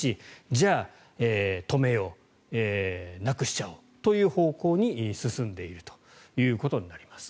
じゃあ、止めようなくしちゃおうという方向に進んでいるということになります。